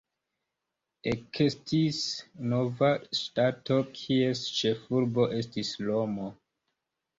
Ekestis nova ŝtato, kies ĉefurbo estis Romo.